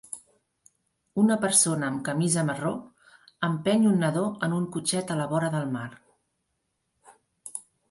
Una persona amb camisa marró empeny un nadó en un cotxet a la vora del mar